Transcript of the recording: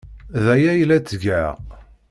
D aya ay la ttgeɣ.